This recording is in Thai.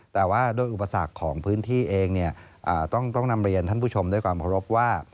แต่ว่าโดยอุปสรรคของพื้นที่เองต้องนำเรียนท่านผู้ชมด้วยความเคารพว่า